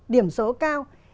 điểm số cao